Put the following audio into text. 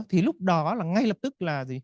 thì lúc đó là ngay lập tức là